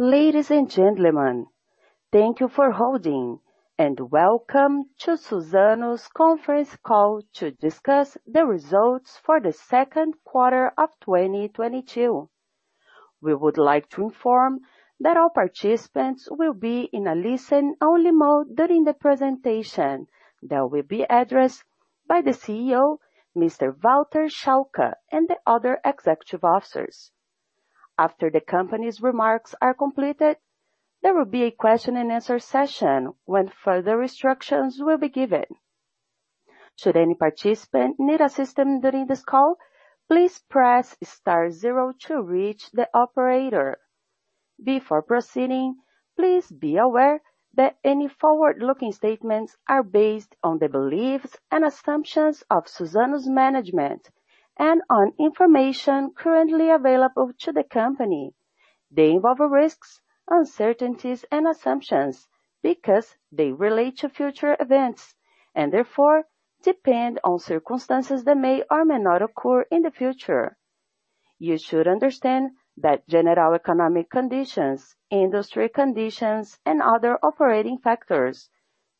Ladies and gentlemen, thank you for holding and welcome to Suzano's conference call to discuss the results for the second quarter of 2022. We would like to inform that all participants will be in a listen-only mode during the presentation that will be addressed by the CEO, Mr. Walter Schalka, and the other executive officers. After the company's remarks are completed, there will be a question and answer session when further instructions will be given. Should any participant need assistance during this call, please press star zero to reach the operator. Before proceeding, please be aware that any forward-looking statements are based on the beliefs and assumptions of Suzano's management and on information currently available to the company. They involve risks, uncertainties and assumptions because they relate to future events and therefore depend on circumstances that may or may not occur in the future. You should understand that general economic conditions, industry conditions, and other operating factors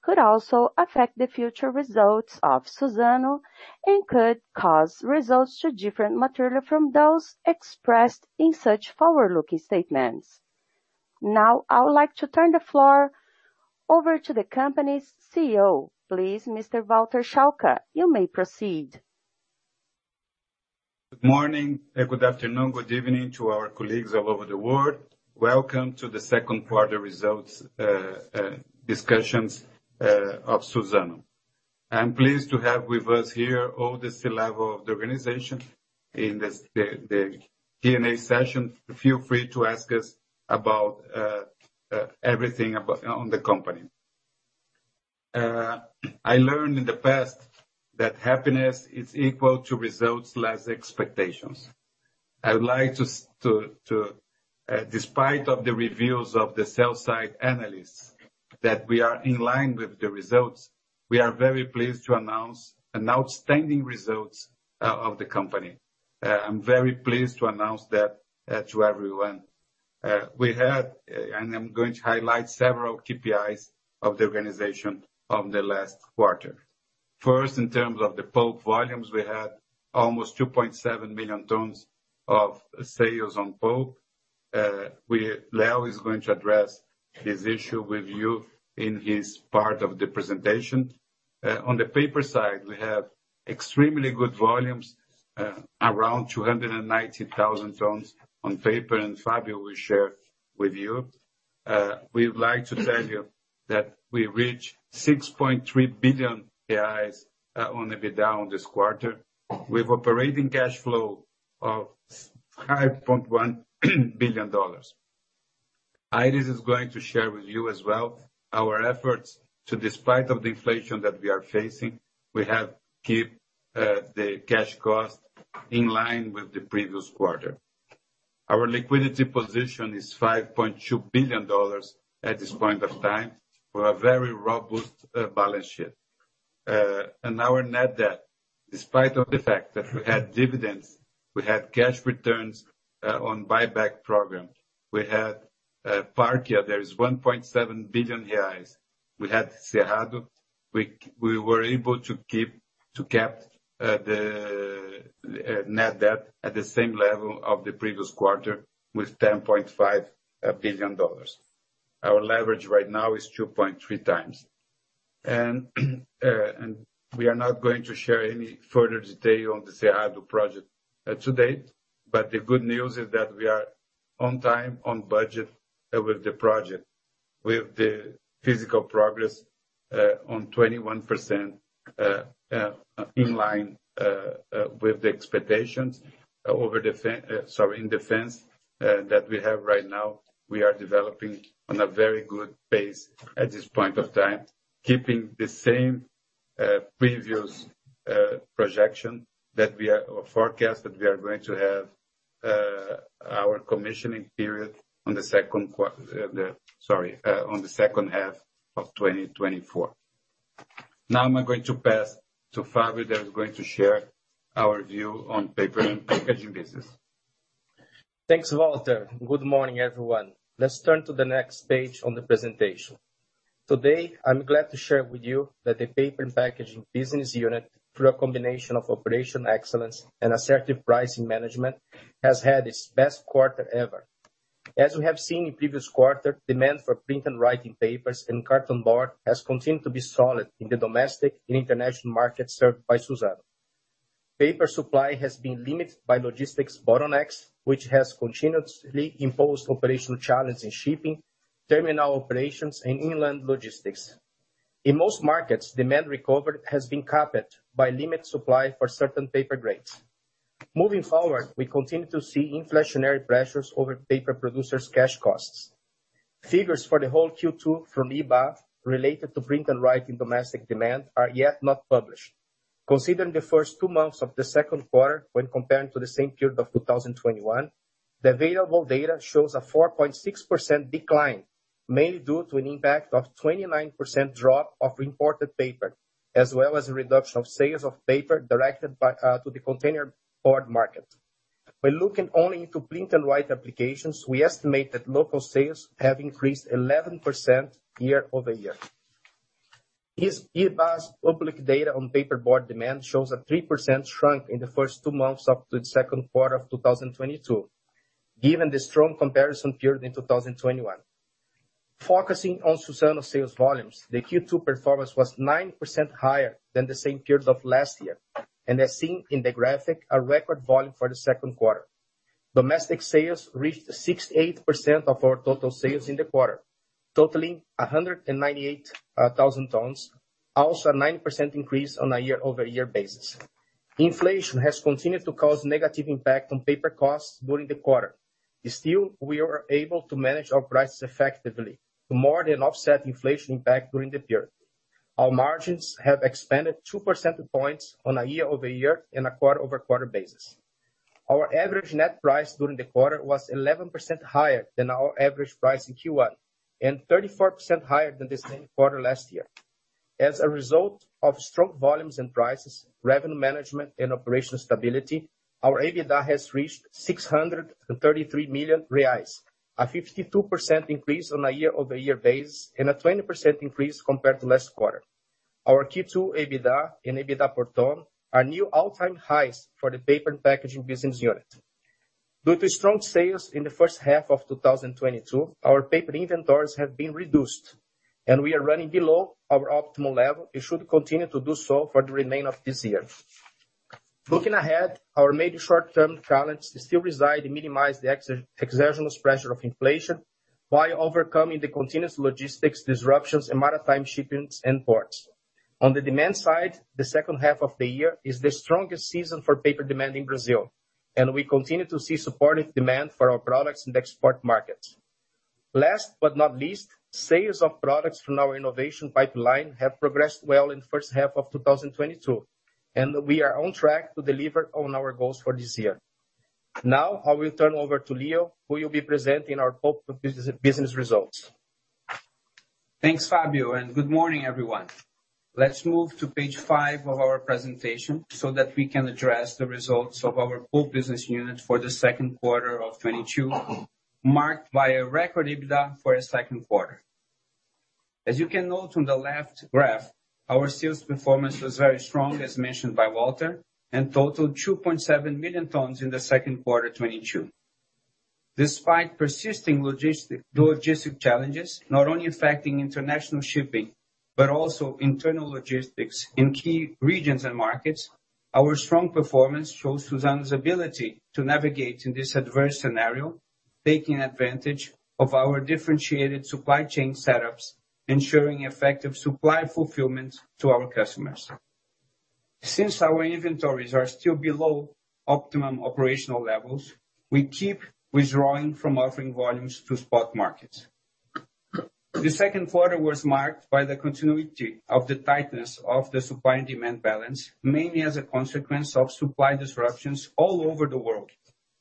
could also affect the future results of Suzano and could cause results to differ materially from those expressed in such forward-looking statements. Now, I would like to turn the floor over to the company's CEO, please. Mr. Walter Schalka, you may proceed. Good morning and good afternoon, good evening to our colleagues all over the world. Welcome to the second quarter results discussions of Suzano. I'm pleased to have with us here all the C-level of the organization in this the Q&A session. Feel free to ask us about everything on the company. I learned in the past that happiness is equal to results less expectations. I would like to, despite the reviews of the sell-side analysts that we are in line with the results, we are very pleased to announce an outstanding results of the company. I'm very pleased to announce that to everyone. We had and I'm going to highlight several KPIs of the organization from the last quarter. First, in terms of the pulp volumes, we had almost 2.7 million tons of sales on pulp. Leonardo is going to address this issue with you in his part of the presentation. On the paper side, we have extremely good volumes, around 290,000 tons on paper, and Fabio will share with you. We would like to tell you that we reached 6.3 billion reais on EBITDA this quarter. We have operating cash flow of $5.1 billion. Aires is going to share with you as well our efforts to despite of the inflation that we are facing, we have keep the cash costs in line with the previous quarter. Our liquidity position is $5.2 billion at this point of time, with a very robust balance sheet. Our net debt, despite of the fact that we had dividends, we had cash returns on buyback program. We had Parkia 1.7 billion reais. We had Cerrado. We were able to cap the net debt at the same level of the previous quarter with $10.5 billion. Our leverage right now is 2.3 times. We are not going to share any further detail on the Cerrado Project today, but the good news is that we are on time, on budget with the project, with the physical progress on 21%, in line with the expectations in the fence that we have right now. We are developing on a very good pace at this point of time, keeping the same previous projection or forecast that we are going to have our commissioning period on the second half of 2024. Now I'm going to pass to Fabio that is going to share our view on paper and packaging business. Thanks, Walter. Good morning, everyone. Let's turn to the next page on the presentation. Today, I'm glad to share with you that the paper and packaging business unit, through a combination of operational excellence and assertive pricing management, has had its best quarter ever. As we have seen in previous quarter, demand for print and writing papers and carton board has continued to be solid in the domestic and international markets served by Suzano. Paper supply has been limited by logistics bottlenecks, which has continuously imposed operational challenges in shipping, terminal operations, and inland logistics. In most markets, demand recovery has been capped by limited supply for certain paper grades. Moving forward, we continue to see inflationary pressures over paper producers' cash costs. Figures for the whole Q2 from IBÁ related to print and writing domestic demand are yet not published. Considering the first two months of the second quarter when comparing to the same period of 2021, the available data shows a 4.6% decline. Mainly due to an impact of 29% drop of imported paper, as well as a reduction of sales of paper directed by, to the container board market. By looking only into print and write applications, we estimate that local sales have increased 11% year-over-year. As IBÁ's public data on paperboard demand shows a 3% shrink in the first two months up to the second quarter of 2022, given the strong comparison period in 2021. Focusing on Suzano sales volumes, the Q2 performance was 9% higher than the same period of last year. As seen in the graphic, a record volume for the second quarter. Domestic sales reached 68% of our total sales in the quarter, totaling 198,000 tons, also a 9% increase on a year-over-year basis. Inflation has continued to cause negative impact on paper costs during the quarter. Still, we were able to manage our prices effectively to more than offset inflation impact during the period. Our margins have expanded 2 percentage points on a year-over-year and a quarter-over-quarter basis. Our average net price during the quarter was 11% higher than our average price in Q1, and 34% higher than the same quarter last year. As a result of strong volumes and prices, revenue management and operational stability, our EBITDA has reached 633 million reais, a 52% increase on a year-over-year basis, and a 20% increase compared to last quarter. Our Q2 EBITDA and EBITDA per ton are new all-time highs for the paper and packaging business unit. Due to strong sales in the first half of 2022, our paper inventories have been reduced, and we are running below our optimal level. It should continue to do so for the remainder of this year. Looking ahead, our major short-term challenge still resides in minimizing the exceptional pressure of inflation while overcoming the continuous logistics disruptions in maritime shipping and ports. On the demand side, the second half of the year is the strongest season for paper demand in Brazil, and we continue to see supportive demand for our products in the export markets. Last but not least, sales of products from our innovation pipeline have progressed well in the first half of 2022, and we are on track to deliver on our goals for this year. Now I will turn over to Leonardo, who will be presenting our pulp business results. Thanks, Fabio, and good morning, everyone. Let's move to page 5 of our presentation so that we can address the results of our pulp business unit for the second quarter of 2022, marked by a record EBITDA for a second quarter. As you can note from the left graph, our sales performance was very strong, as mentioned by Walter, and totaled 2.7 million tons in the second quarter 2022. Despite persisting logistic challenges, not only affecting international shipping, but also internal logistics in key regions and markets, our strong performance shows Suzano's ability to navigate in this adverse scenario, taking advantage of our differentiated supply chain setups, ensuring effective supply fulfillment to our customers. Since our inventories are still below optimum operational levels, we keep withdrawing from offering volumes to spot markets. The second quarter was marked by the continuity of the tightness of the supply and demand balance, mainly as a consequence of supply disruptions all over the world,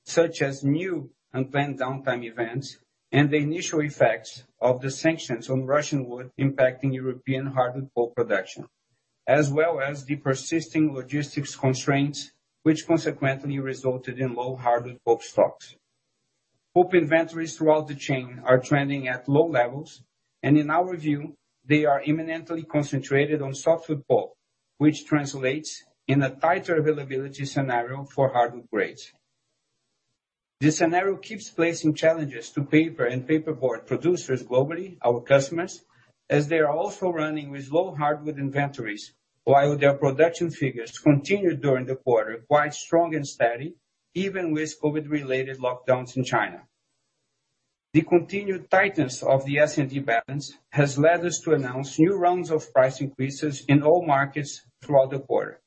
such as new unplanned downtime events and the initial effects of the sanctions on Russian wood impacting European hardwood pulp production, as well as the persisting logistics constraints, which consequently resulted in low hardwood pulp stocks. Pulp inventories throughout the chain are trending at low levels, and in our view, they are mainly concentrated on softwood pulp, which translates into a tighter availability scenario for hardwood grades. This scenario keeps placing challenges to paper and paperboard producers globally, our customers, as they are also running with low hardwood inventories while their production figures continued during the quarter quite strong and steady, even with COVID-related lockdowns in China. The continued tightness of the S&D balance has led us to announce new rounds of price increases in all markets throughout the quarter,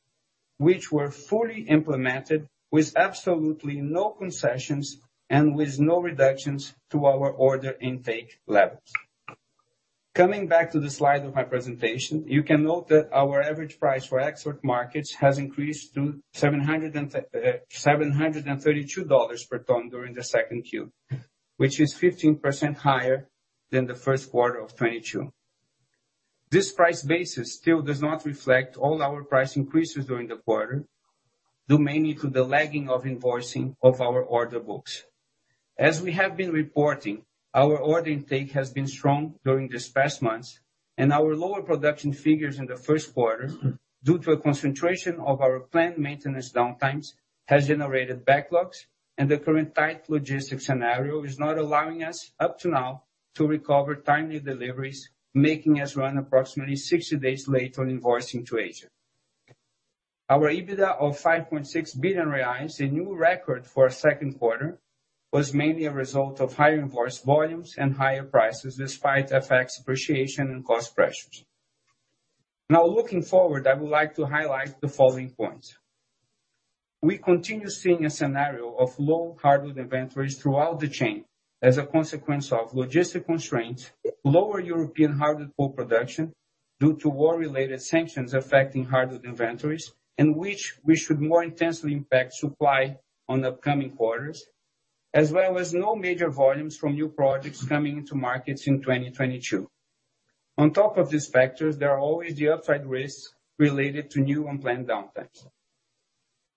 which were fully implemented with absolutely no concessions and with no reductions to our order intake levels. Coming back to the slide of my presentation, you can note that our average price for export markets has increased to $732 per ton during Q2, which is 15% higher than the first quarter of 2022. This price basis still does not reflect all our price increases during the quarter, due mainly to the lagging of invoicing of our order books. As we have been reporting, our order intake has been strong during these past months, and our lower production figures in the first quarter, due to a concentration of our planned maintenance downtimes, has generated backlogs, and the current tight logistics scenario is not allowing us, up to now, to recover timely deliveries, making us run approximately 60 days late on invoicing to Asia. Our EBITDA of 5.6 billion reais, a new record for a second quarter, was mainly a result of higher invoice volumes and higher prices, despite FX appreciation and cost pressures. Now looking forward, I would like to highlight the following points. We continue seeing a scenario of low hardwood inventories throughout the chain as a consequence of logistic constraints, lower European hardwood pulp production due to war-related sanctions affecting hardwood inventories, which should more intensely impact supply on upcoming quarters, as well as no major volumes from new projects coming into markets in 2022. On top of these factors, there are always the upside risks related to new unplanned downtime.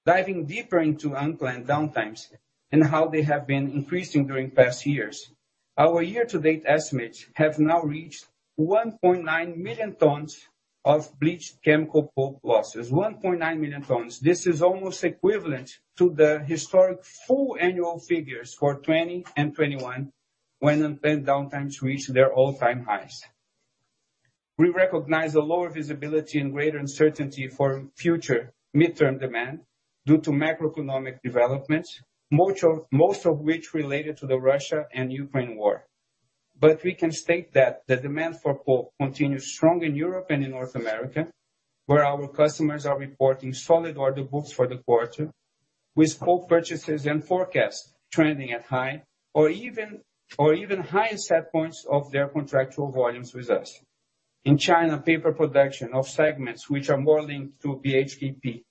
Diving deeper into unplanned downtimes and how they have been increasing during past years, our year-to-date estimates have now reached 1.9 million tons of bleached chemical pulp losses. 1.9 million tons. This is almost equivalent to the historic full annual figures for 2020 and 2021 when unplanned downtimes reached their all-time highs. We recognize the lower visibility and greater uncertainty for future midterm demand due to macroeconomic developments, most of which related to the Russia and Ukraine war. We can state that the demand for pulp continues strong in Europe and in North America, where our customers are reporting solid order books for the quarter, with pulp purchases and forecasts trending at high or even, or even higher set points of their contractual volumes with us. In China, paper production of segments which are more linked to BHKP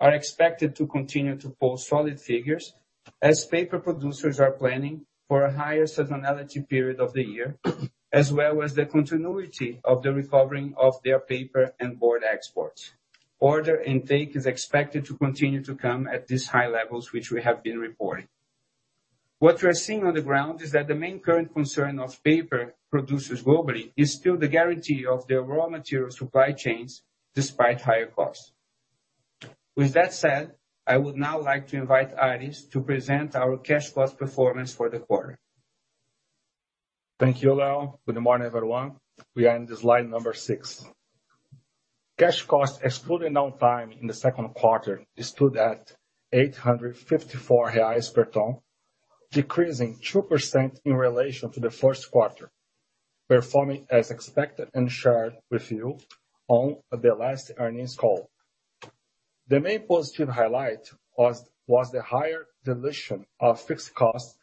are expected to continue to post solid figures as paper producers are planning for a higher seasonality period of the year, as well as the continuity of the recovering of their paper and board exports. Order intake is expected to continue to come at these high levels, which we have been reporting. What we're seeing on the ground is that the main current concern of paper producers globally is still the guarantee of their raw material supply chains despite higher costs. With that said, I would now like to invite Aires to present our cash cost performance for the quarter. Thank you, Leonardo. Good morning, everyone. We are in slide 6. Cash costs excluding downtime in the second quarter stood at 854 reais per ton, decreasing 2% in relation to the first quarter, performing as expected and shared with you on the last earnings call. The main positive highlight was the higher dilution of fixed costs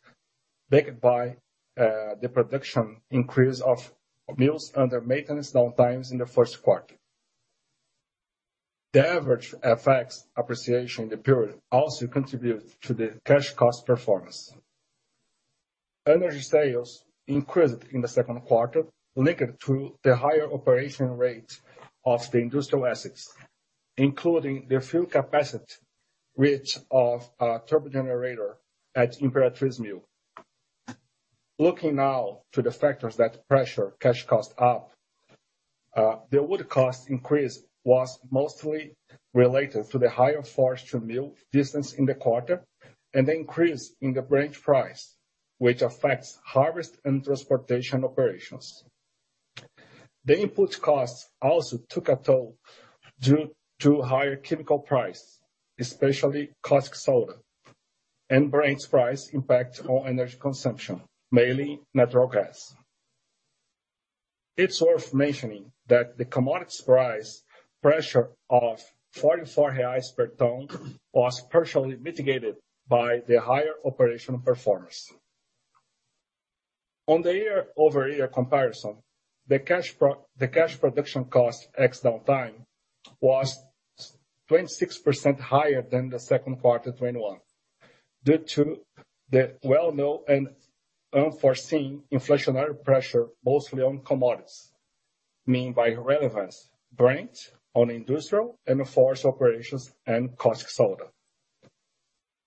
backed by the production increase of mills under maintenance downtimes in the first quarter. The average FX appreciation in the period also contributed to the cash cost performance. Energy sales increased in the second quarter, linked to the higher operation rate of the industrial assets, including the full capacity reach of our turbogenerator at Imperatriz Mill. Looking now to the factors that pressure cash cost up, the wood cost increase was mostly related to the higher forestry mill distance in the quarter and the increase in the Brent price, which affects harvest and transportation operations. The input costs also took a toll due to higher chemical price, especially caustic soda and Brent price impact on energy consumption, mainly natural gas. It's worth mentioning that the commodities price pressure of 44 reais per ton was partially mitigated by the higher operational performance. On the year-over-year comparison, the cash production cost ex downtime was 26% higher than the second quarter 2021 due to the well-known and unforeseen inflationary pressure, mostly on commodities, mainly by relevance, Brent on industrial and forest operations and caustic soda.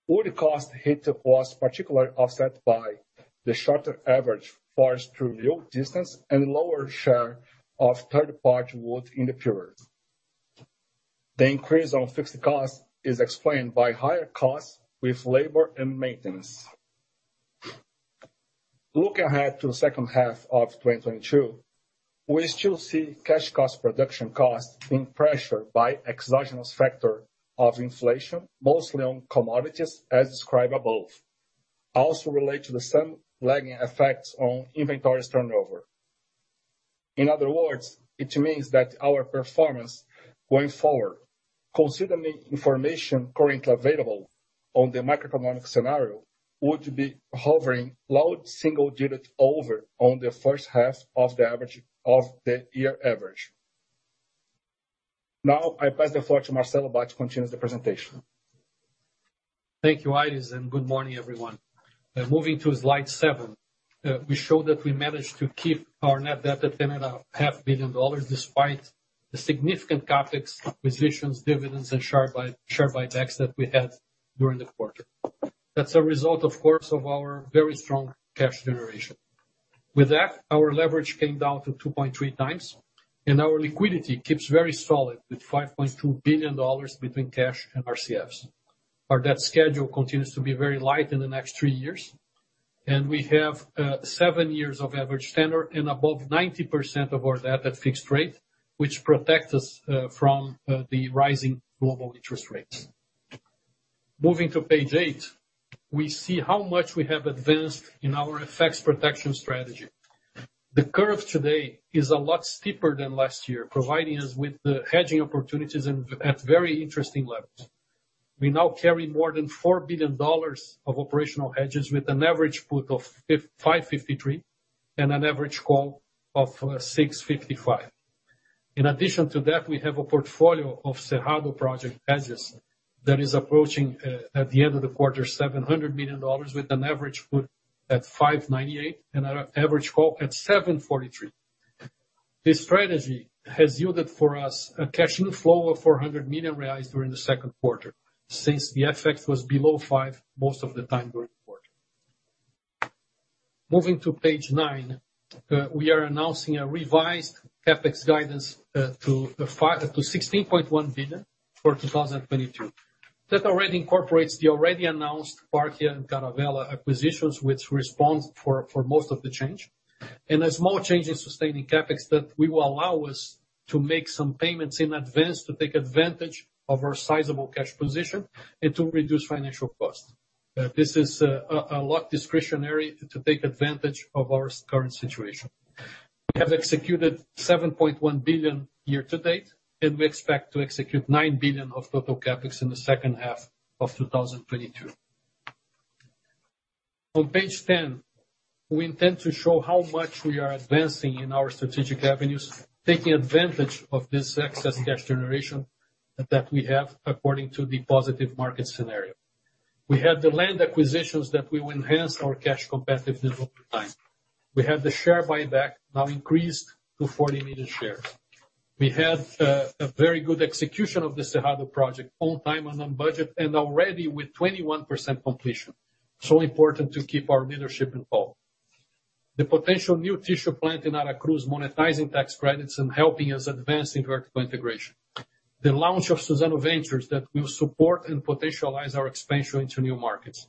Wood cost hit was particularly offset by the shorter average forest to mill distance and lower share of third-party wood in the period. The increase on fixed cost is explained by higher costs with labor and maintenance. Looking ahead to the second half of 2022, we still see cash cost production costs being pressured by exogenous factor of inflation, mostly on commodities, as described above, also relate to the same lagging effects on inventories turnover. In other words, it means that our performance going forward, considering information currently available on the macroeconomic scenario, would be hovering low single digits over on the first half of the year average. Now I pass the floor to Marcelo Bacci to continue the presentation. Thank you, Aires, and good morning, everyone. Moving to slide seven, we show that we managed to keep our net debt at $10.5 billion, despite the significant CapEx, acquisitions, dividends and share buybacks that we had during the quarter. That's a result, of course, of our very strong cash generation. With that, our leverage came down to 2.3 times, and our liquidity keeps very solid with $5.2 billion between cash and RCFs. Our debt schedule continues to be very light in the next 3 years, and we have 7 years of average tenor and above 90% of our debt at fixed rate, which protects us from the rising global interest rates. Moving to page eight, we see how much we have advanced in our FX protection strategy. The curve today is a lot steeper than last year, providing us with the hedging opportunities and at very interesting levels. We now carry more than $4 billion of operational hedges with an average put of 553 and an average call of 655. In addition to that, we have a portfolio of Cerrado project hedges that is approaching at the end of the quarter $700 million with an average put at 598 and an average call at 743. This strategy has yielded for us a cash flow of 400 million reais during the second quarter since the FX was below 5 most of the time during the quarter. Moving to page 9, we are announcing a revised CapEx guidance to 16.1 billion for 2022. That already incorporates the already announced Parkia and Caravelas acquisitions, which accounts for most of the change. A small change in sustaining CapEx that will allow us to make some payments in advance to take advantage of our sizable cash position and to reduce financial costs. This is a lot discretionary to take advantage of our current situation. We have executed 7.1 billion year to date, and we expect to execute 9 billion of total CapEx in the second half of 2022. On page 10, we intend to show how much we are advancing in our strategic avenues, taking advantage of this excess cash generation that we have according to the positive market scenario. We have the land acquisitions that will enhance our cash competitiveness over time. We have the share buyback now increased to 40 million shares. We have a very good execution of the Cerrado Project on time and on budget and already with 21% completion. Important to keep our leadership involved. The potential new tissue plant in Aracruz monetizing tax credits and helping us advancing vertical integration. The launch of Suzano Ventures that will support and potentialize our expansion into new markets.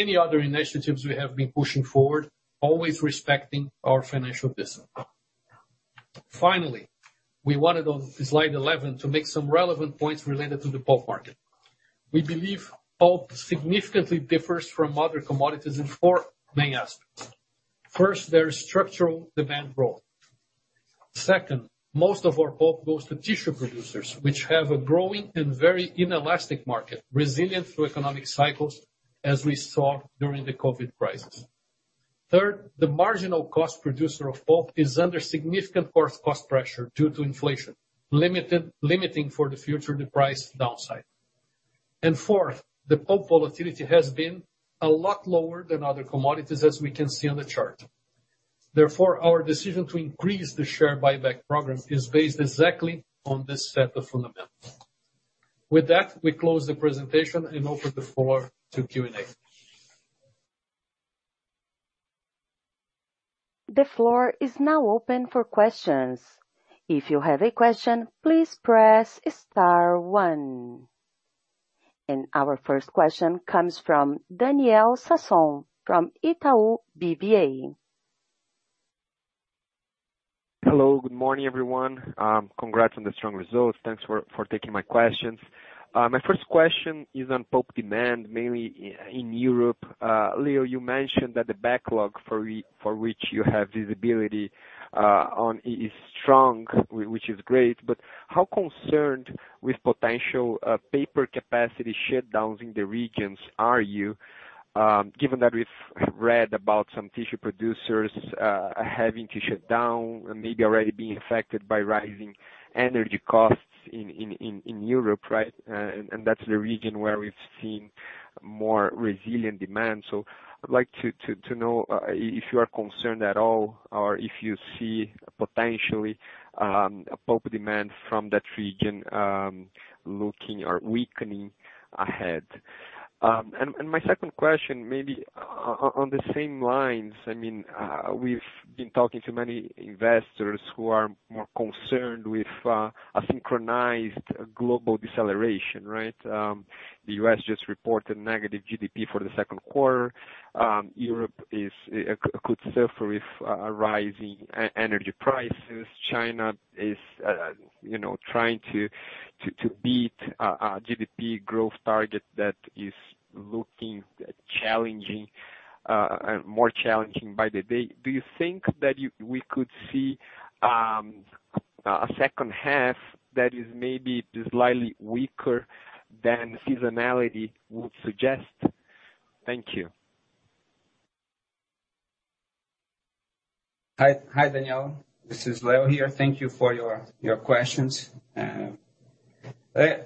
Many other initiatives we have been pushing forward, always respecting our financial discipline. Finally, we wanted on slide 11 to make some relevant points related to the pulp market. We believe pulp significantly differs from other commodities in four main aspects. First, there is structural demand growth. Second, most of our pulp goes to tissue producers, which have a growing and very inelastic market, resilient through economic cycles, as we saw during the COVID crisis. Third, the marginal cost producer of pulp is under significant cost pressure due to inflation, limiting for the future the price downside. Fourth, the pulp volatility has been a lot lower than other commodities, as we can see on the chart. Therefore, our decision to increase the share buyback program is based exactly on this set of fundamentals. With that, we close the presentation and open the floor to Q&A. The floor is now open for questions. If you have a question, please press star one. Our first question comes from Daniel Sasson from Itaú BBA. Hello, good morning, everyone. Congrats on the strong results. Thanks for taking my questions. My first question is on pulp demand, mainly in Europe. Leonardo, you mentioned that the backlog for which you have visibility on is strong, which is great. How concerned with potential paper capacity shutdowns in the region are you, given that we've read about some tissue producers having to shut down and maybe already being affected by rising energy costs in Europe, right? That's the region where we've seen more resilient demand. I'd like to know if you are concerned at all or if you see potentially a pulp demand from that region looking or weakening ahead. My second question maybe on the same lines. I mean, we've been talking to many investors who are more concerned with a synchronized global deceleration, right? The U.S. just reported negative GDP for the second quarter. Europe could suffer with rising energy prices. China is, you know, trying to beat a GDP growth target that is looking challenging, and more challenging by the day. Do you think that we could see a second half that is maybe slightly weaker than seasonality would suggest? Thank you. Hi. Hi, Daniel. This is Leonardo here. Thank you for your questions.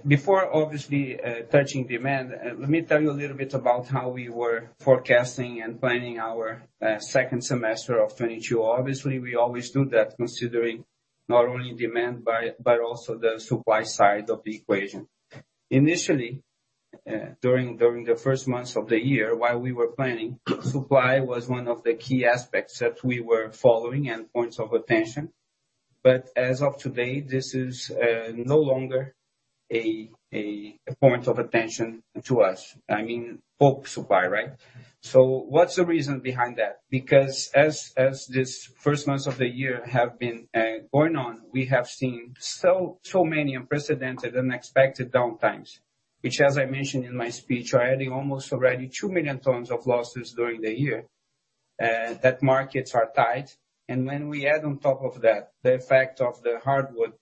Before obviously touching demand, let me tell you a little bit about how we were forecasting and planning our second semester of 2022. Obviously, we always do that considering not only demand, but also the supply side of the equation. Initially, during the first months of the year while we were planning, supply was one of the key aspects that we were following and points of attention. As of today, this is no longer a point of attention to us. I mean, pulp supply, right? What's the reason behind that? Because as these first months of the year have been going on, we have seen so many unprecedented, unexpected downtimes, which, as I mentioned in my speech, we're adding almost already 2 million tons of losses during the year. That markets are tight. When we add on top of that the effect of the hardwood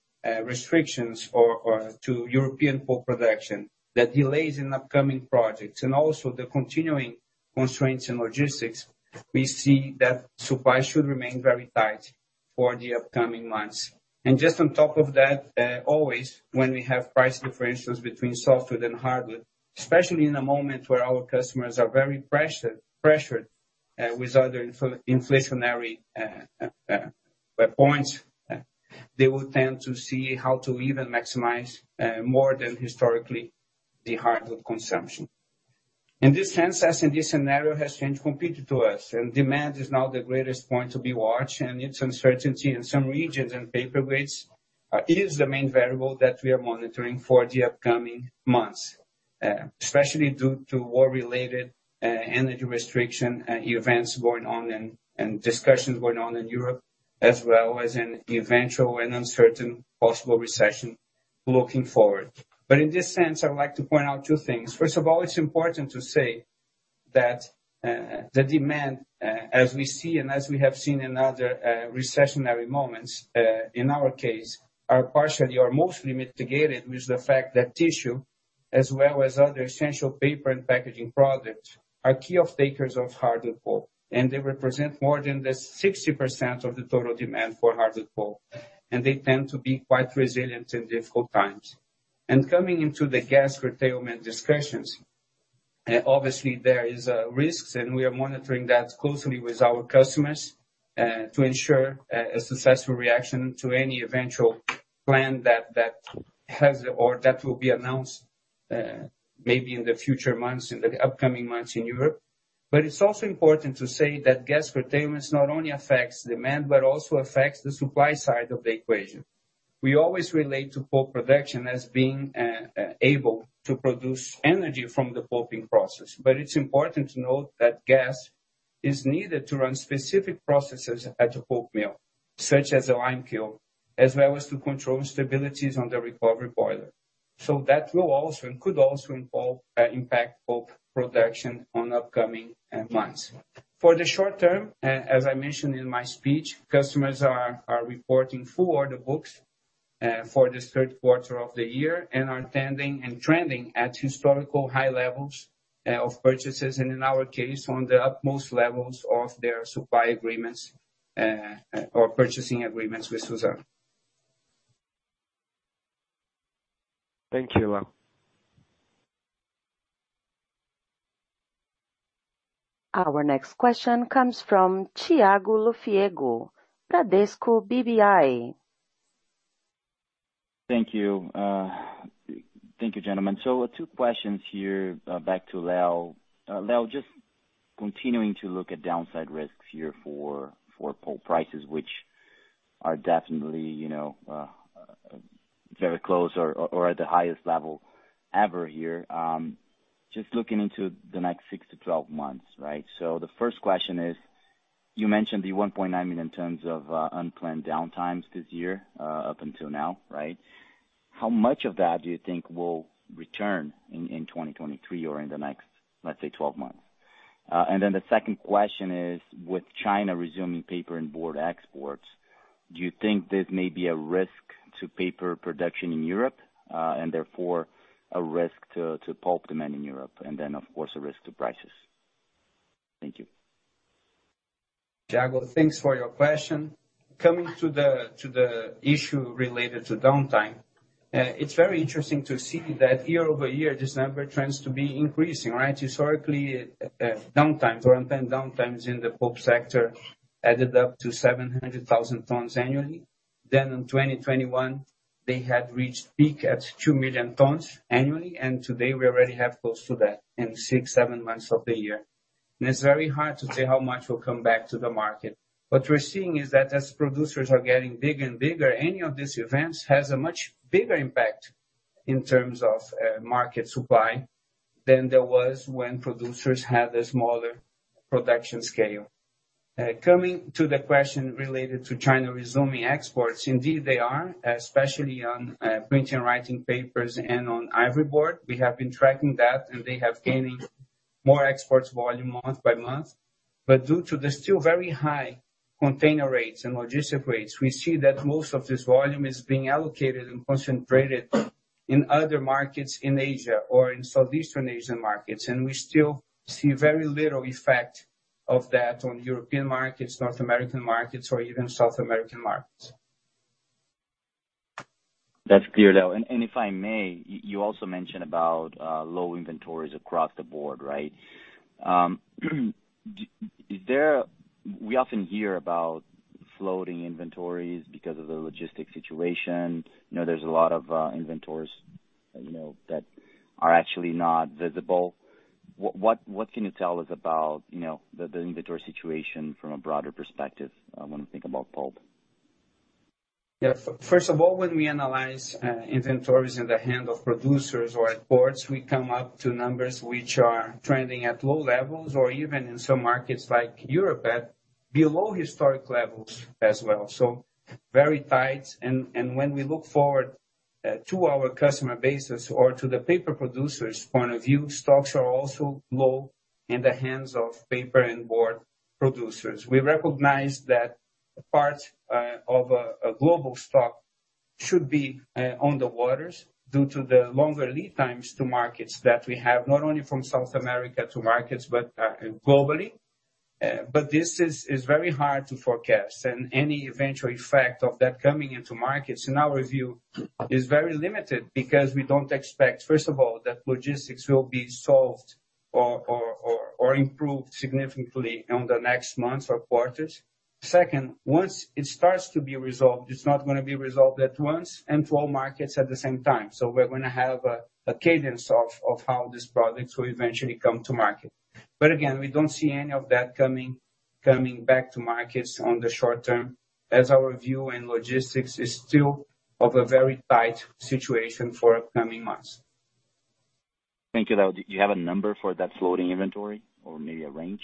restrictions to European pulp production, the delays in upcoming projects and also the continuing constraints in logistics, we see that supply should remain very tight for the upcoming months. Just on top of that, always when we have price differences between softwood and hardwood, especially in a moment where our customers are very pressured with other inflationary points, they will tend to seek how to even maximize more than historically the hardwood consumption. In this sense, as this scenario has changed completely for us, and demand is now the greatest point to be watched, and its uncertainty in some regions and paper weights is the main variable that we are monitoring for the upcoming months, especially due to war-related energy restriction events going on and discussions going on in Europe, as well as an eventual and uncertain possible recession looking forward. In this sense, I would like to point out two things. First of all, it's important to say that the demand, as we see and as we have seen in other recessionary moments, in our case, are partially or mostly mitigated with the fact that tissue, as well as other essential paper and packaging products, are key off-takers of hardwood pulp, and they represent more than 60% of the total demand for hardwood pulp, and they tend to be quite resilient in difficult times. Coming into the gas curtailment discussions, obviously there is risks, and we are monitoring that closely with our customers, to ensure a successful reaction to any eventual plan that has or that will be announced, maybe in the future months, in the upcoming months in Europe. It's also important to say that gas curtailment not only affects demand, but also affects the supply side of the equation. We always relate to pulp production as being able to produce energy from the pulping process. It's important to note that gas is needed to run specific processes at the pulp mill, such as a lime kiln, as well as to control stabilities on the recovery boiler. That will also and could also impact pulp production on upcoming months. For the short term, as I mentioned in my speech, customers are reporting full order books for this third quarter of the year and are tending and trending at historical high levels of purchases, and in our case, on the utmost levels of their supply agreements or purchasing agreements with Suzano. Thank you, Leonardo. Our next question comes from Thiago Lofiego, Bradesco BBI. Thank you. Thank you, gentlemen. Two questions here, back to Leonardo. Leonardo, just continuing to look at downside risks here for pulp prices, which are definitely, you know, very close or at the highest level ever here. Just looking into the next six to 12 months, right? The first question is, you mentioned the 1.9 million tons of unplanned downtimes this year, up until now, right? How much of that do you think will return in 2023 or in the next, let's say, 12 months? And then the second question is, with China resuming paper and board exports, do you think this may be a risk to paper production in Europe, and therefore a risk to pulp demand in Europe, and then, of course, a risk to prices? Thank you. Thiago, thanks for your question. Coming to the issue related to downtime, it's very interesting to see that year-over-year, this number tends to be increasing, right? Historically, downtimes or unplanned downtimes in the pulp sector added up to 700,000 tons annually. Then in 2021, they had reached peak at 2 million tons annually, and today we already have close to that in 6-7 months of the year. It's very hard to say how much will come back to the market. What we're seeing is that as producers are getting bigger and bigger, any of these events has a much bigger impact in terms of market supply than there was when producers had a smaller production scale. Coming to the question related to China resuming exports, indeed they are, especially on print and writing papers and on ivory board. We have been tracking that, and they have gaining more exports volume month by month. But due to the still very high container rates and logistic rates, we see that most of this volume is being allocated and concentrated in other markets in Asia or in Southeastern Asian markets. We still see very little effect of that on European markets, North American markets, or even South American markets. That's clear, Leonardo. If I may, you also mentioned about low inventories across the board, right? Is there. We often hear about floating inventories because of the logistics situation. You know, there's a lot of inventories, you know, that are actually not visible. What can you tell us about, you know, the inventory situation from a broader perspective, when we think about pulp? Yeah. First of all, when we analyze inventories in the hand of producers or at ports, we come up to numbers which are trending at low levels or even in some markets like Europe at below historic levels as well. Very tight. When we look forward to our customer bases or to the paper producers' point of view, stocks are also low in the hands of paper and board producers. We recognize that part of a global stock should be on the waters due to the longer lead times to markets that we have, not only from South America to markets, but globally. This is very hard to forecast, and any eventual effect of that coming into markets, in our view, is very limited because we don't expect, first of all, that logistics will be solved or improved significantly in the next months or quarters. Second, once it starts to be resolved, it's not gonna be resolved at once and to all markets at the same time. We're gonna have a cadence of how this product will eventually come to market. Again, we don't see any of that coming back to markets in the short term, as our view in logistics is still of a very tight situation for upcoming months. Thank you. Leonardo Grimaldi, do you have a number for that floating inventory or maybe a range?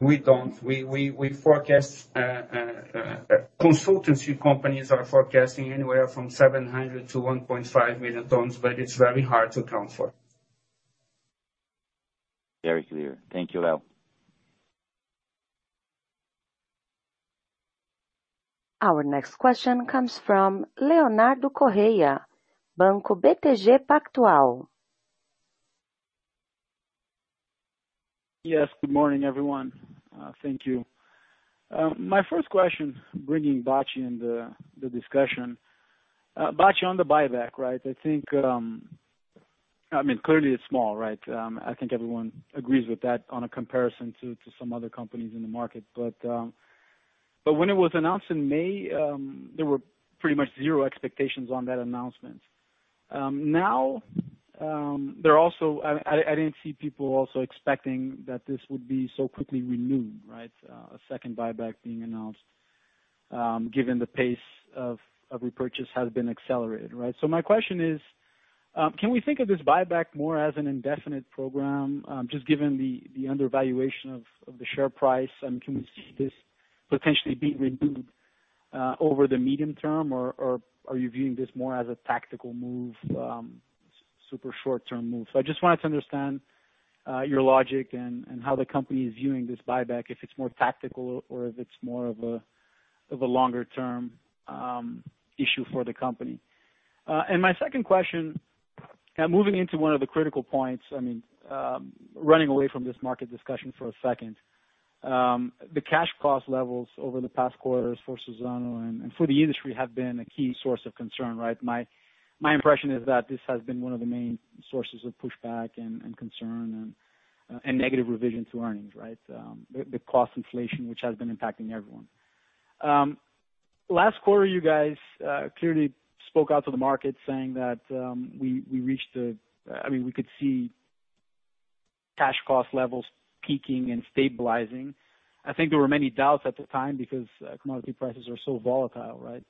We don't. We forecast consultancy companies are forecasting anywhere from 700-1.5 million tons, but it's very hard to account for. Very clear. Thank you, Leonardo. Our next question comes from Leonardo Correa, Banco BTG Pactual. Yes, good morning, everyone. Thank you. My first question, bringing Bacci into the discussion. Bacci, on the buyback, right? I think, I mean, clearly it's small, right? I think everyone agrees with that on a comparison to some other companies in the market. When it was announced in May, there were pretty much zero expectations on that announcement. Now, I didn't see people also expecting that this would be so quickly renewed, right? A second buyback being announced, given the pace of repurchase has been accelerated, right? My question is, can we think of this buyback more as an indefinite program, just given the undervaluation of the share price? Can we see this potentially being renewed over the medium term, or are you viewing this more as a tactical move, super short term move? I just wanted to understand your logic and how the company is viewing this buyback, if it's more tactical or if it's more of a longer term issue for the company. My second question, moving into one of the critical points, I mean, running away from this market discussion for a second. The cash cost levels over the past quarters for Suzano and for the industry have been a key source of concern, right? My impression is that this has been one of the main sources of pushback and concern and negative revision to earnings, right? The cost inflation, which has been impacting everyone. Last quarter, you guys clearly spoke out to the market saying that we could see cash cost levels peaking and stabilizing. I think there were many doubts at the time because commodity prices are so volatile, right?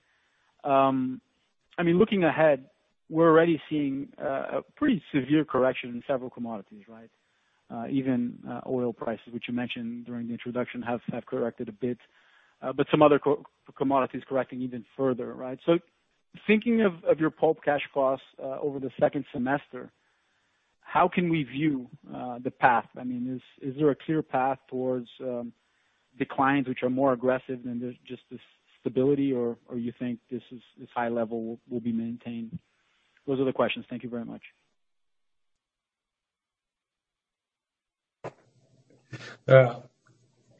I mean, looking ahead, we're already seeing a pretty severe correction in several commodities, right? Even oil prices, which you mentioned during the introduction, have corrected a bit. But some other commodities correcting even further, right? Thinking of your pulp cash costs over the second semester, how can we view the path? I mean, is there a clear path towards declines which are more aggressive than just the stability, or you think this high level will be maintained? Those are the questions. Thank you very much.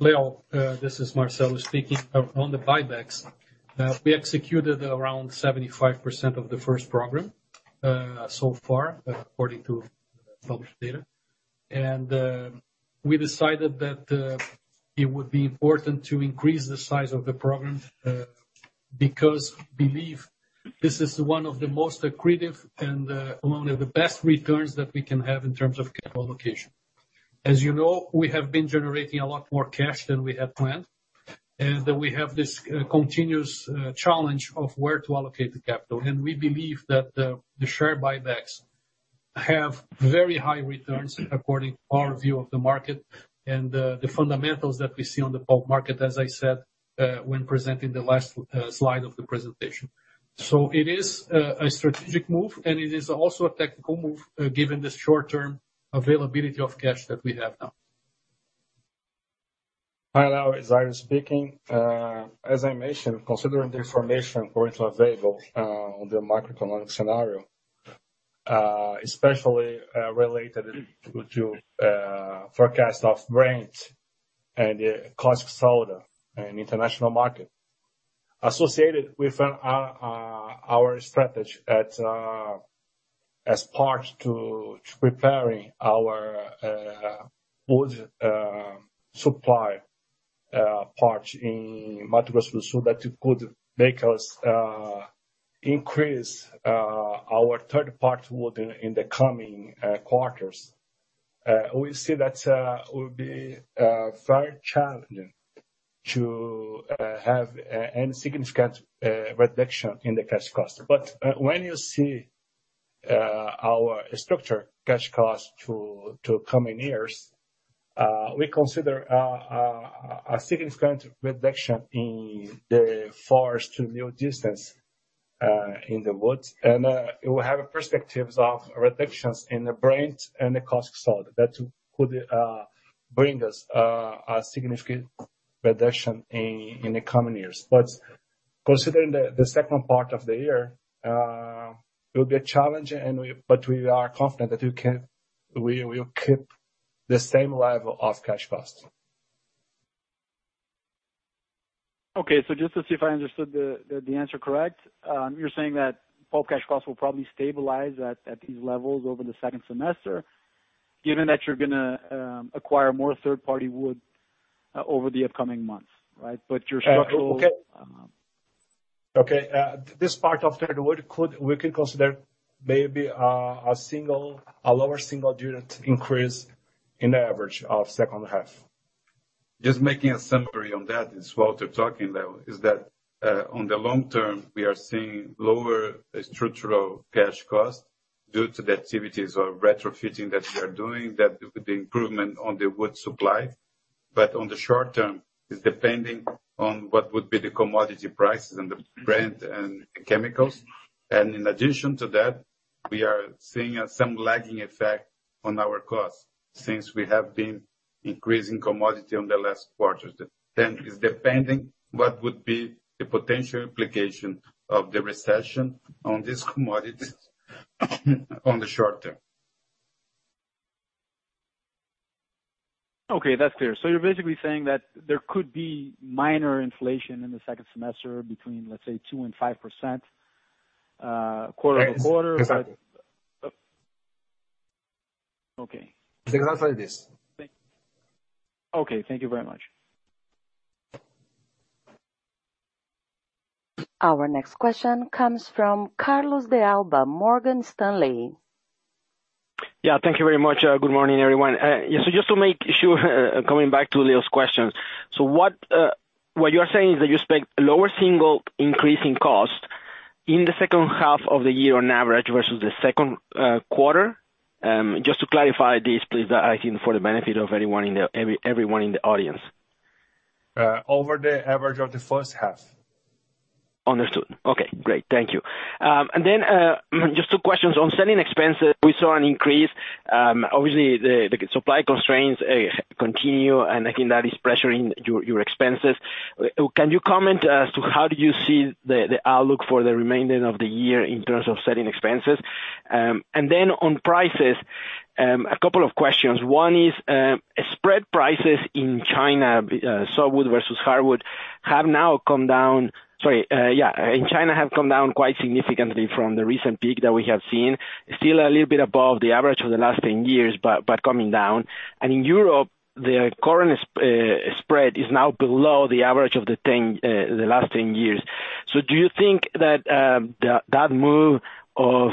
Leonardo, this is Marcelo speaking. On the buybacks, we executed around 75% of the first program so far, according to published data. We decided that it would be important to increase the size of the program because we believe this is one of the most accretive and among the best returns that we can have in terms of capital allocation. As you know, we have been generating a lot more cash than we had planned, and we have this continuous challenge of where to allocate the capital. We believe that the share buybacks have very high returns according to our view of the market and the fundamentals that we see on the pulp market, as I said, when presenting the last slide of the presentation. It is a strategic move, and it is also a tactical move, given the short-term availability of cash that we have now. Hi, Leonardo, it's Ira speaking. As I mentioned, considering the information currently available on the macroeconomic scenario, especially related to forecast of rains and the cost of caustic soda in international market, associated with our strategy as part of preparing our wood supply in multiple so that it could make us increase our third-party wood in the coming quarters. We see that will be very challenging to have any significant reduction in the cash cost. When you see Our structured cash cost to the coming years, we consider a significant reduction in the forest to mill distance in the woods. We have perspectives of reductions in the Brent and the cost side that could bring us a significant reduction in the coming years. Considering the second part of the year, it will be a challenge and we are confident that we will keep the same level of cash costs. Okay. Just to see if I understood the answer correct, you're saying that pulp cash costs will probably stabilize at these levels over the second semester, given that you're gonna acquire more third-party wood over the upcoming months, right? But your structural Okay. Um. Okay. This part of the wood, we could consider maybe a lower single unit increase in average of second half. Just making a summary on that, it's Walter talking. Leonardo, is that on the long term, we are seeing lower structural cash costs due to the activities of retrofitting that we are doing, with the improvement on the wood supply. On the short term, it depends on what would be the commodity prices and the Brent and chemicals. In addition to that, we are seeing some lagging effect on our costs since we have been increasing commodities in the last quarters. It depends what would be the potential implication of the recession on these commodities on the short term. Okay, that's clear. You're basically saying that there could be minor inflation in the second semester between, let's say, 2%-5%, quarter-over-quarter. Yes, exactly. Okay. Exactly this. Okay. Thank you very much. Our next question comes from Carlos de Alba, Morgan Stanley. Yeah, thank you very much. Good morning, everyone. Just to make sure, coming back to Leonardo's question. What you are saying is that you expect low single-digit increase in cost in the second half of the year on average versus the second quarter? Just to clarify this, please. I think for the benefit of everyone in the audience. Over the average of the first half. Understood. Okay, great. Thank you. Just two questions. On selling expenses, we saw an increase. Obviously, the supply constraints continue, and I think that is pressuring your expenses. Can you comment as to how you see the outlook for the remainder of the year in terms of selling expenses? And then on prices, a couple of questions. One is, spread prices in China, softwood versus hardwood, have now come down quite significantly from the recent peak that we have seen. Still a little bit above the average for the last 10 years, but coming down. In Europe, the current spread is now below the average of the last 10 years. Do you think that that move of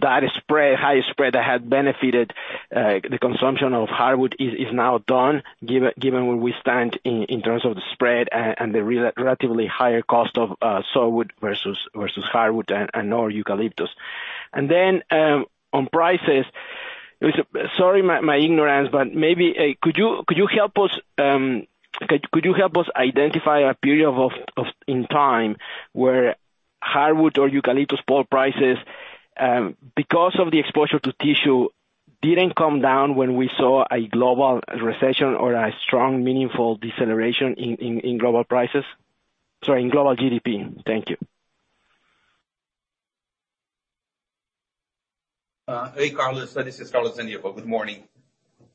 that spread, high spread that had benefited the consumption of hardwood is now done given where we stand in terms of the spread and the relatively higher cost of softwood versus hardwood and or eucalyptus? Then on prices, sorry, my ignorance, but maybe could you help us identify a period in time where hardwood or eucalyptus pulp prices, because of the exposure to tissue, didn't come down when we saw a global recession or a strong, meaningful deceleration in global prices? Sorry, in global GDP. Thank you. Hey, Carlos. This is Carlos Anibal de Almeida. Good morning.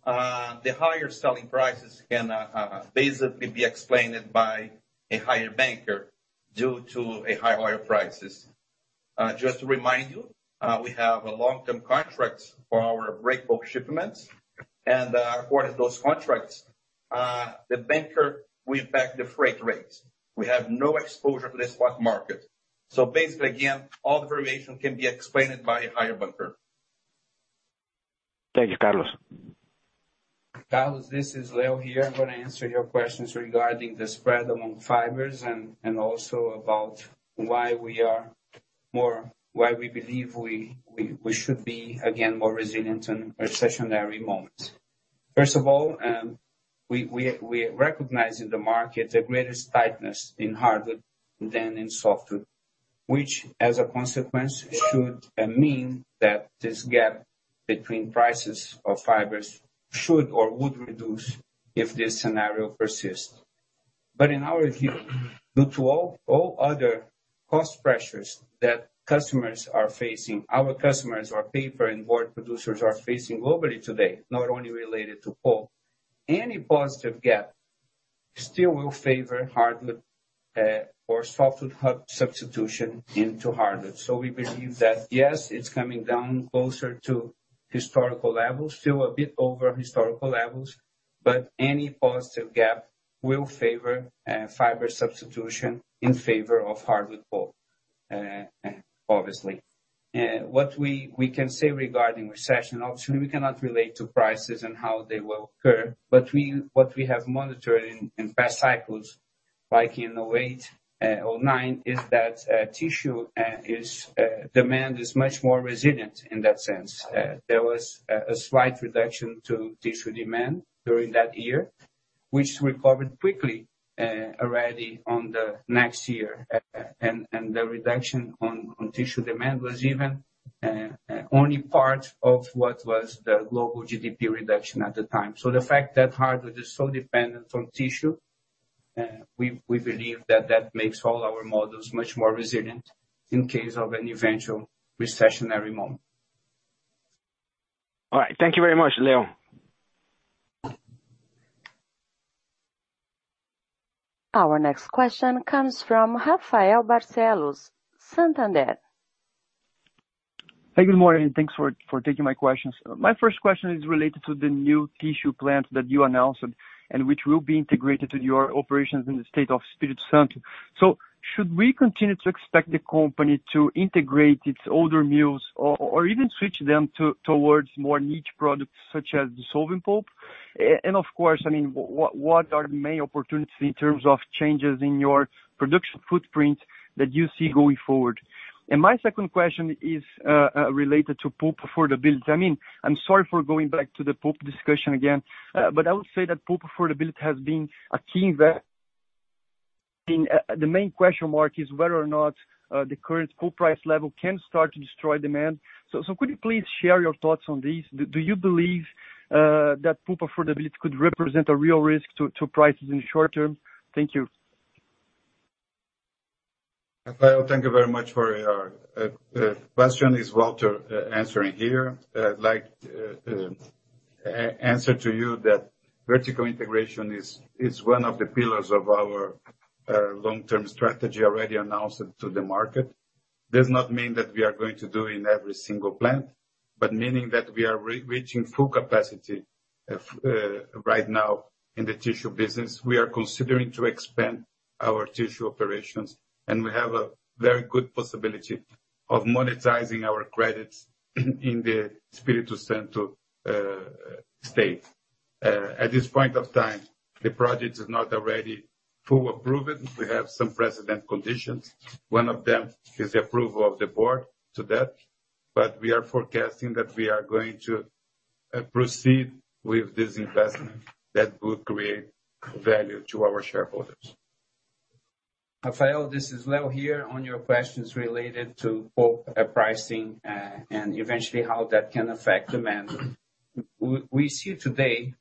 The higher selling prices can basically be explained by a higher bunker due to higher prices. Just to remind you, we have a long-term contract for our break bulk shipments. According to those contracts, the bunker will back the freight rates. We have no exposure to the spot market. Basically, again, all the variation can be explained by a higher bunker. Thank you, Carlos. Carlos, this is Leonardo here. I'm gonna answer your questions regarding the spread among fibers and also about why we believe we should be, again, more resilient in a recessionary moment. First of all, we recognize in the market the greatest tightness in hardwood than in softwood, which as a consequence should mean that this gap between prices of fibers should or would reduce if this scenario persists. In our view, due to all other cost pressures that customers are facing, our customers or paper and board producers are facing globally today, not only related to pulp, any positive gap still will favor hardwood, or softwood substitution into hardwood. We believe that yes, it's coming down closer to historical levels, still a bit over historical levels, but any positive gap will favor fiber substitution in favor of hardwood pulp, obviously. What we can say regarding recession, obviously, we cannot relate to prices and how they will occur, but what we have monitored in past cycles like in 2008, 2009 is that tissue demand is much more resilient in that sense. There was a slight reduction to tissue demand during that year, which recovered quickly, already on the next year. The reduction on tissue demand was even only part of what was the global GDP reduction at the time. The fact that hardwood is so dependent on tissue, we believe that makes all our models much more resilient in case of an eventual recessionary moment. All right. Thank you very much, Leonardo. Our next question comes from Rafael Barcellos, Santander. Hey, good morning, and thanks for taking my questions. My first question is related to the new tissue plant that you announced and which will be integrated into your operations in the state of Espírito Santo. Should we continue to expect the company to integrate its older mills or even switch them towards more niche products such as dissolving pulp? And of course, I mean, what are the main opportunities in terms of changes in your production footprint that you see going forward? My second question is related to pulp affordability. I mean, I'm sorry for going back to the pulp discussion again, but I would say that pulp affordability has been a key issue in the main question mark is whether or not the current pulp price level can start to destroy demand. Could you please share your thoughts on this? Do you believe that pulp affordability could represent a real risk to prices in the short term? Thank you. Rafael, thank you very much for your question. It's Walter answering here. I'd like to answer to you that vertical integration is one of the pillars of our long-term strategy already announced to the market. Does not mean that we are going to do in every single plant, but meaning that we are reaching full capacity right now in the tissue business. We are considering to expand our tissue operations, and we have a very good possibility of monetizing our credits in the Espírito Santo state. At this point of time, the project is not already fully approved. We have some precedent conditions. One of them is the approval of the board to that, but we are forecasting that we are going to proceed with this investment that would create value to our shareholders. Rafael, this is Leonardo here. On your questions related to pulp pricing and eventually how that can affect demand. We see today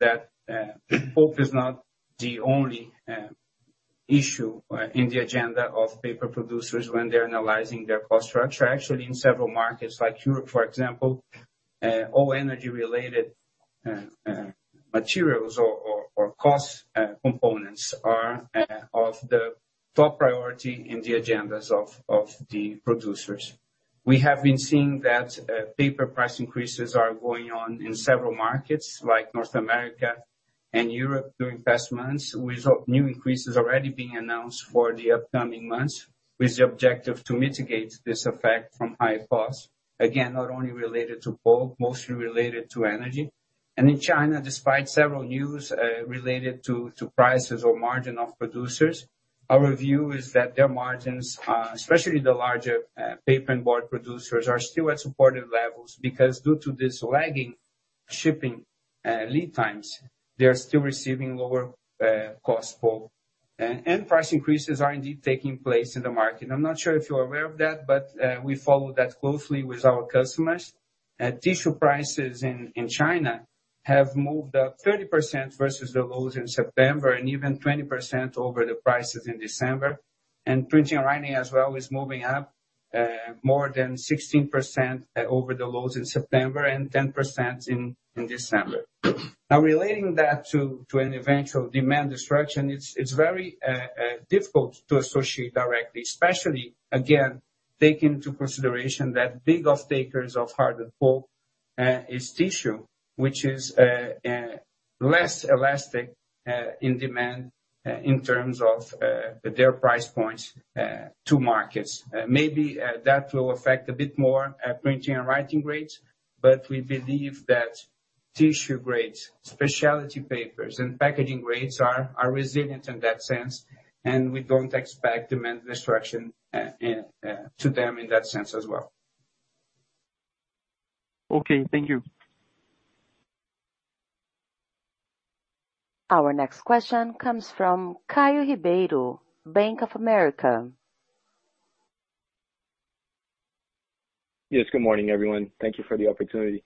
that pulp is not the only issue in the agenda of paper producers when they're analyzing their cost structure. Actually, in several markets like Europe, for example, all energy related materials or cost components are of the top priority in the agendas of the producers. We have been seeing that paper price increases are going on in several markets like North America and Europe during past months, with new increases already being announced for the upcoming months, with the objective to mitigate this effect from high costs. Again, not only related to pulp, mostly related to energy. In China, despite several news related to prices or margin of producers, our view is that their margins, especially the larger paper and board producers, are still at supportive levels because due to this lagging shipping lead times, they are still receiving lower cost pulp. Price increases are indeed taking place in the market. I'm not sure if you're aware of that, but we follow that closely with our customers. Tissue prices in China have moved up 30% versus the lows in September and even 20% over the prices in December. Printing and writing as well is moving up more than 16% over the lows in September and 10% in December. Now relating that to an eventual demand destruction, it's very difficult to associate directly, especially again, take into consideration that big off-takers of hardwood pulp is tissue, which is less elastic in demand in terms of their price points to markets. Maybe that will affect a bit more printing and writing grades, but we believe that tissue grades, specialty papers and packaging grades are resilient in that sense, and we don't expect demand destruction to them in that sense as well. Okay. Thank you. Our next question comes from Caio Ribeiro, Bank of America. Yes, good morning, everyone. Thank you for the opportunity.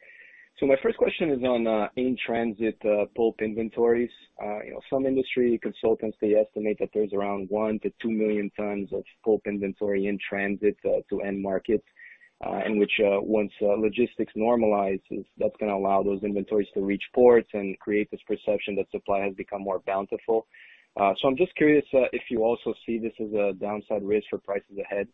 My first question is on in-transit pulp inventories. You know, some industry consultants, they estimate that there's around 1-2 million tons of pulp inventory in transit to end markets, and which once logistics normalizes, that's gonna allow those inventories to reach ports and create this perception that supply has become more bountiful. I'm just curious if you also see this as a downside risk for prices ahead.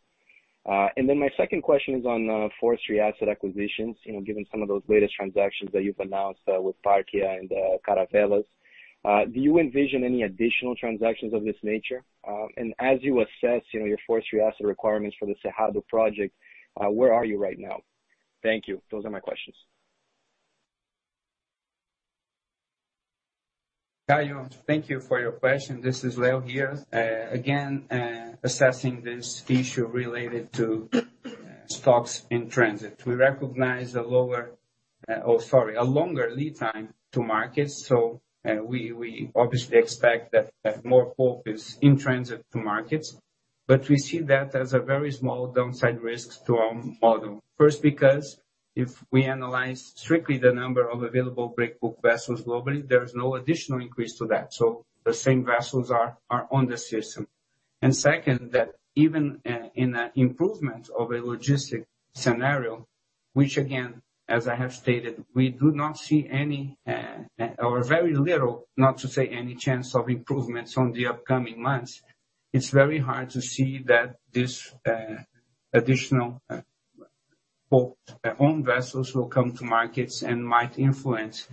My second question is on forestry asset acquisitions. You know, given some of those latest transactions that you've announced with Parkia and Caravelas, do you envision any additional transactions of this nature? As you assess, you know, your forestry asset requirements for the Cerrado Project, where are you right now? Thank you. Those are my questions. Caio, thank you for your question. This is Leonardo here. Again, assessing this issue related to stocks in transit. We recognize a longer lead time to markets. We obviously expect that more focus in transit to markets, but we see that as a very small downside risk to our model. First, because if we analyze strictly the number of available break bulk vessels globally, there is no additional increase to that. The same vessels are on the system. Second, that even in an improvement of a logistics scenario, which again, as I have stated, we do not see any, or very little, not to say any chance of improvements on the upcoming months, it's very hard to see that this additional boat-owned vessels will come to markets and might influence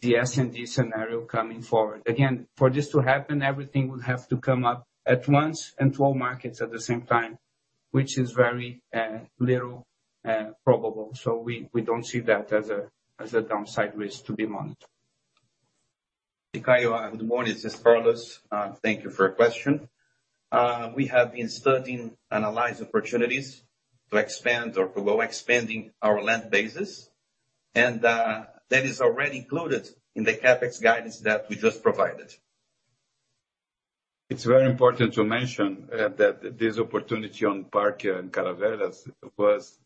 the S&D scenario coming forward. Again, for this to happen, everything will have to come up at once and to all markets at the same time, which is very improbable. We don't see that as a downside risk to be monitored. Caio, good morning. This is Carlos. Thank you for your question. We have been studying, analyzing opportunities to expand or to go expanding our land bases. That is already included in the CapEx guidance that we just provided. It's very important to mention that this opportunity on Parkia and Caravelas was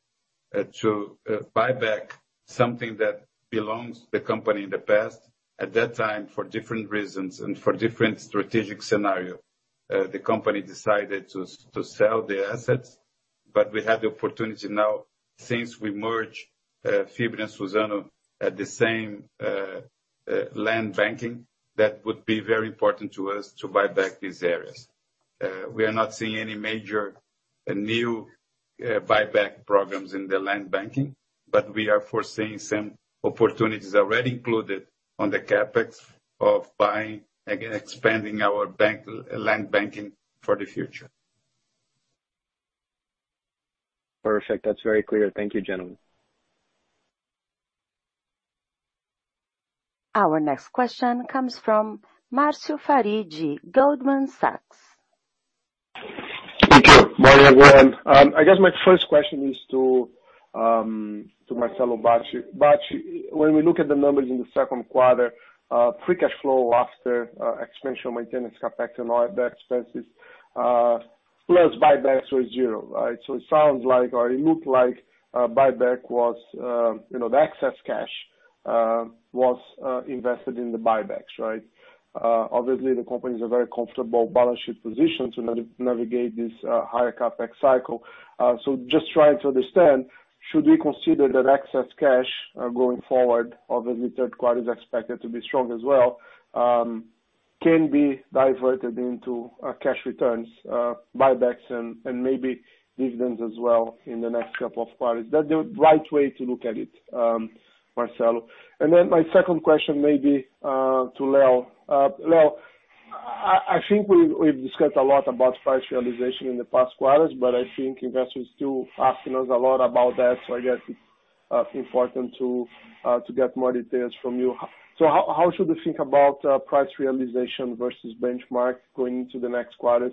to buy back something that belongs to the company in the past. At that time, for different reasons and for different strategic scenario, the company decided to sell their assets. We have the opportunity now since we merge Fibria and Suzano at the same land banking, that would be very important to us to buy back these areas. We are not seeing any major new buyback programs in the land banking, but we are foreseeing some opportunities already included on the CapEx of buying, again, expanding our land banking for the future. Perfect. That's very clear. Thank you, gentlemen. Our next question comes from Marcio Farid, Goldman Sachs. Thank you. Good morning, everyone. I guess my first question is to Marcelo Bacci. Bacci, when we look at the numbers in the second quarter, free cash flow after expansion, maintenance, CapEx, and all the expenses, plus buybacks was zero, right? It sounds like, or it looked like, buyback was you know, the excess cash was invested in the buybacks, right? Obviously the company is a very comfortable balance sheet position to navigate this higher CapEx cycle. Just trying to understand, should we consider that excess cash going forward, obviously third quarter is expected to be strong as well, can be diverted into cash returns, buybacks and maybe dividends as well in the next couple of quarters? That's the right way to look at it, Marcelo. My second question, maybe to Leonardo. Leonardo, I think we've discussed a lot about price realization in the past quarters, but I think investors still asking us a lot about that. I guess it's important to get more details from you. How should we think about price realization versus benchmark going into the next quarters?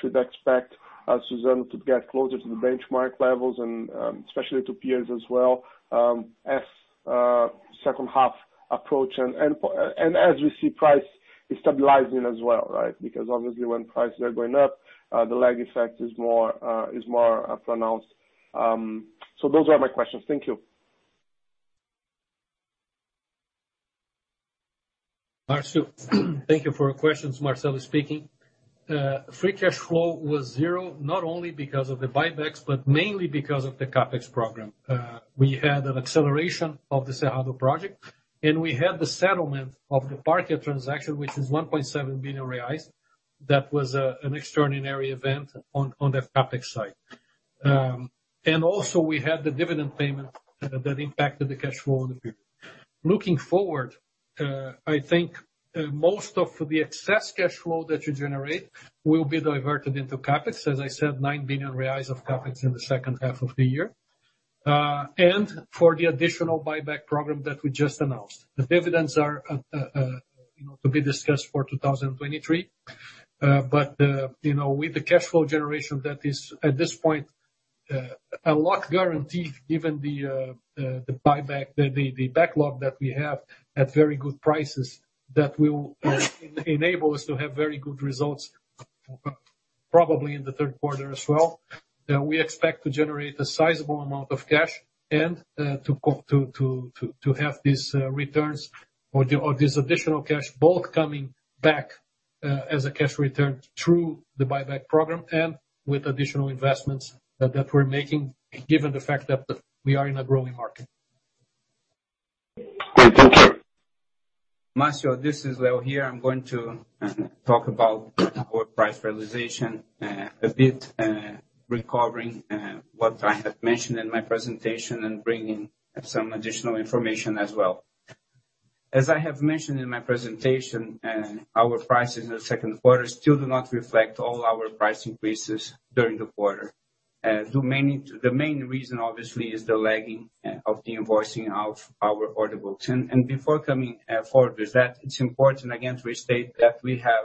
Should we expect Suzano to get closer to the benchmark levels and especially to peers as well, as second half approach and as we see price stabilizing as well, right? Because obviously when prices are going up, the lag effect is more pronounced. Those are my questions. Thank you. Marcio, thank you for your questions. Marcelo speaking. Free cash flow was zero, not only because of the buybacks, but mainly because of the CapEx program. We had an acceleration of the Cerrado Project, and we had the settlement of the Parkia transaction, which is 1.7 billion reais. That was an extraordinary event on the CapEx side. We had the dividend payment that impacted the cash flow in the period. Looking forward, I think most of the excess cash flow that you generate will be diverted into CapEx. As I said, 9 billion reais of CapEx in the second half of the year. For the additional buyback program that we just announced. The dividends are, you know, to be discussed for 2023. You know, with the cash flow generation that is at this point a lot guaranteed given the buyback, the backlog that we have at very good prices that will enable us to have very good results probably in the third quarter as well. We expect to generate a sizable amount of cash and to have these returns or this additional cash both coming back as a cash return through the buyback program and with additional investments that we're making, given the fact that we are in a growing market. Great. Thank you. Marcio, this is Leonardo here. I'm going to talk about our price realization a bit, recapping what I have mentioned in my presentation and bringing some additional information as well. As I have mentioned in my presentation, our prices in the second quarter still do not reflect all our price increases during the quarter. The main reason obviously is the lagging of the invoicing of our order books. Before coming forward with that, it's important again to restate that we have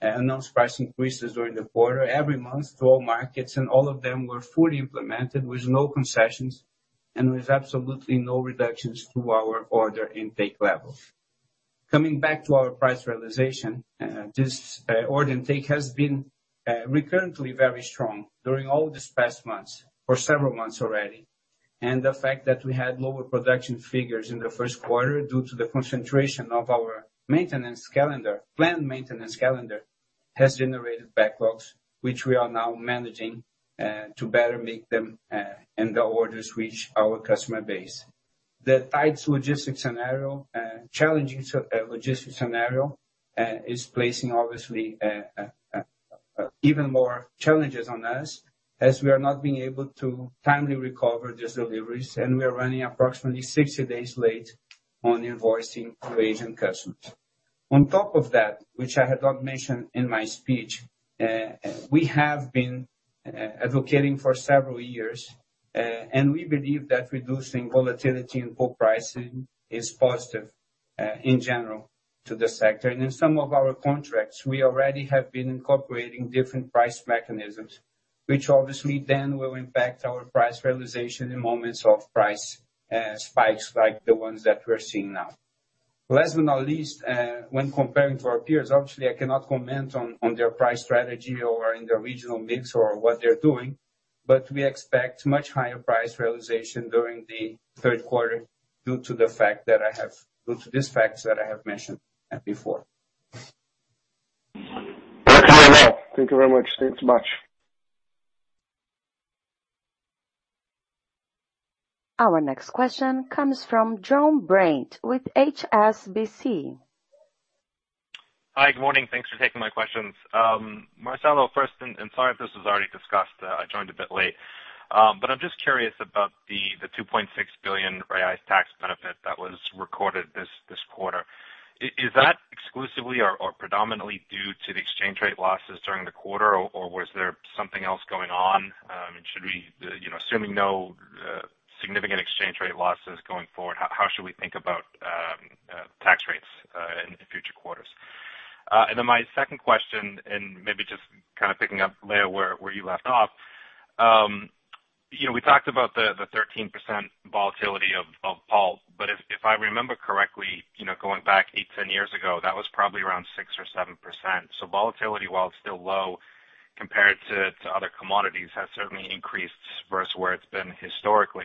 announced price increases during the quarter every month to all markets, and all of them were fully implemented with no concessions and with absolutely no reductions to our order intake level. Coming back to our price realization, this order intake has been recurrently very strong during all these past months for several months already. The fact that we had lower production figures in the first quarter due to the concentration of our planned maintenance calendar has generated backlogs, which we are now managing to better make them and the orders reach our customer base. The challenging logistics scenario is placing obviously even more challenges on us as we are not being able to timely recover these deliveries. We are running approximately 60 days late on invoicing to Asian customers. On top of that, which I had not mentioned in my speech, we have been advocating for several years, and we believe that reducing volatility in pulp pricing is positive in general to the sector. In some of our contracts, we already have been incorporating different price mechanisms, which obviously then will impact our price realization in moments of price spikes like the ones that we're seeing now. Last but not least, when comparing to our peers, obviously I cannot comment on their price strategy or in their regional mix or what they're doing, but we expect much higher price realization during the third quarter due to these facts that I have mentioned before. Thank you very much. Thanks much. Our next question comes from Jonathan Brandt with HSBC. Hi. Good morning. Thanks for taking my questions. Marcelo, first, and sorry if this was already discussed, I joined a bit late. But I'm just curious about the 2.6 billion realized tax benefit that was recorded this quarter. Is that exclusively or predominantly due to the exchange rate losses during the quarter or was there something else going on? Should we, you know, assuming no significant exchange rate losses going forward, how should we think about tax rates in the future quarters? Then my second question, maybe just kind of picking up, Leonardo, where you left off, you know, we talked about the 13% volatility of pulp. If I remember correctly, you know, going back 8-10 years ago, that was probably around 6% or 7%. Volatility, while it's still low compared to other commodities, has certainly increased versus where it's been historically.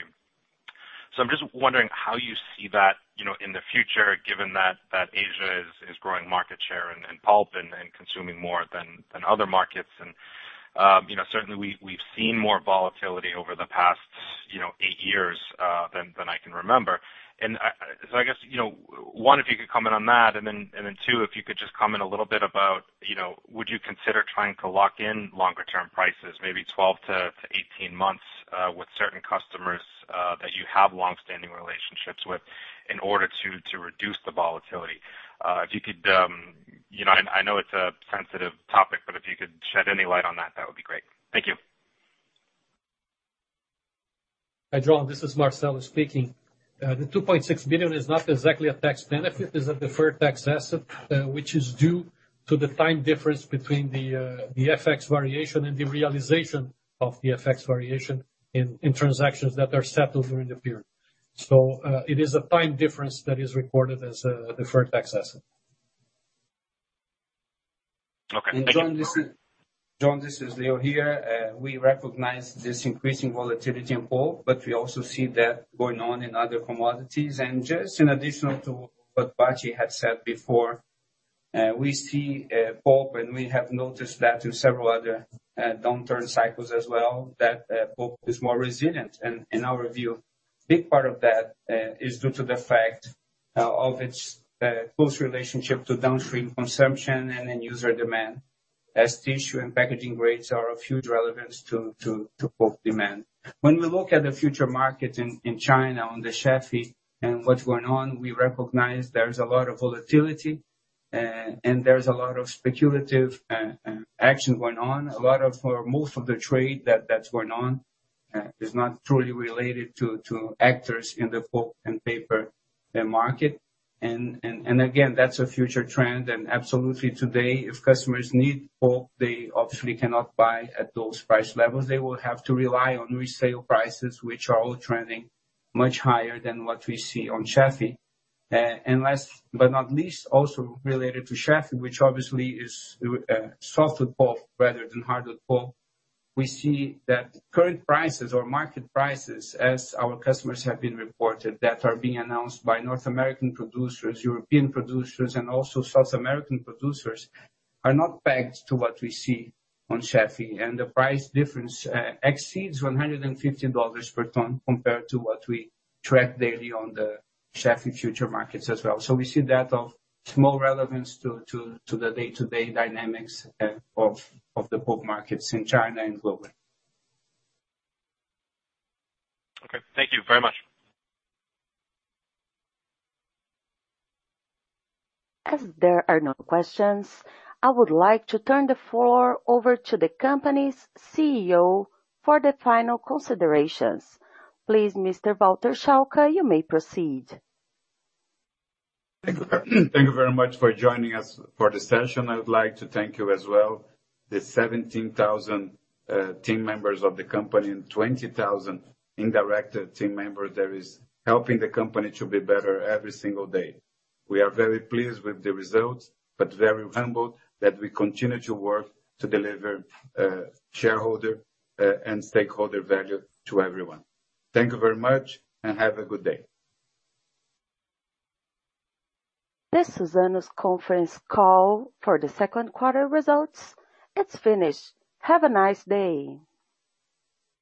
I'm just wondering how you see that, you know, in the future, given that Asia is growing market share in pulp and consuming more than other markets. You know, certainly we've seen more volatility over the past, you know, 8 years than I can remember. I guess, you know, one, if you could comment on that. Two, if you could just comment a little bit about, you know, would you consider trying to lock in longer-term prices, maybe 12-18 months, with certain customers that you have long-standing relationships with in order to reduce the volatility? If you could, you know, and I know it's a sensitive topic, but if you could shed any light on that would be great. Thank you. Hi, Jonathan, this is Marcelo speaking. The 2.6 billion is not exactly a tax benefit. It's a deferred tax asset, which is due to the time difference between the FX variation and the realization of the FX variation in transactions that are settled during the period. It is a time difference that is recorded as a deferred tax asset. Okay. Thank you. Jonathan, this is Leonardo here. We recognize this increasing volatility in pulp, but we also see that going on in other commodities. Just in addition to what Bacci had said before, we see pulp, and we have noticed that in several other downturn cycles as well, that pulp is more resilient. In our view, big part of that is due to the fact of its close relationship to downstream consumption and end user demand, as tissue and packaging grades are of huge relevance to pulp demand. When we look at the future market in China on the SHFE and what's going on, we recognize there is a lot of volatility, and there's a lot of speculative action going on. A lot of or most of the trade that's going on is not truly related to actors in the pulp and paper market. Again, that's a future trend. Absolutely, today, if customers need pulp, they obviously cannot buy at those price levels. They will have to rely on resale prices, which are all trending much higher than what we see on SHFE. Last but not least, also related to SHFE, which obviously is softwood pulp rather than hardwood pulp, we see that current prices or market prices, as our customers have been reported, that are being announced by North American producers, European producers, and also South American producers, are not pegged to what we see on SHFE. The price difference exceeds $150 per ton compared to what we track daily on the SHFE future markets as well. We see that of small relevance to the day-to-day dynamics of the pulp markets in China and globally. Okay. Thank you very much. As there are no questions, I would like to turn the floor over to the company's CEO for the final considerations. Please, Mr. Walter Schalka, you may proceed. Thank you. Thank you very much for joining us for the session. I would like to thank you as well, the 17,000 team members of the company and 20,000 indirect team members that is helping the company to be better every single day. We are very pleased with the results, but very humbled that we continue to work to deliver shareholder and stakeholder value to everyone. Thank you very much and have a good day. This is Suzano's conference call for the second quarter results is finished. Have a nice day.